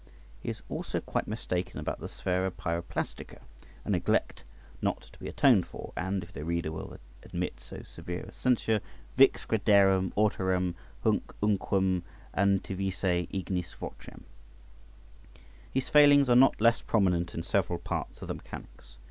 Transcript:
He is also quite mistaken about the sphæra pyroplastica, a neglect not to be atoned for, and (if the reader will admit so severe a censure) vix crederem autorem hunc unquam audivisse ignis vocem. His failings are not less prominent in several parts of the mechanics.